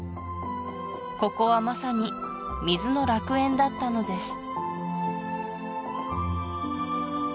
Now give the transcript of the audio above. ここはまさに水の楽園だったのです